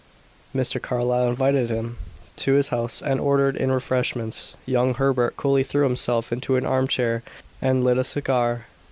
Mr. Carlyle invited them to his house and ordered in refreshments. Young Herbert coolly threw himself into an arm chair and lit a cigar.